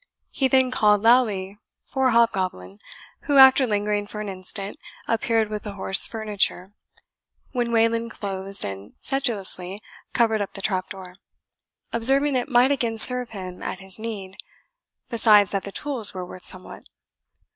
He then called loudly for Hobgoblin, who, after lingering for an instant, appeared with the horse furniture, when Wayland closed and sedulously covered up the trap door, observing it might again serve him at his need, besides that the tools were worth somewhat.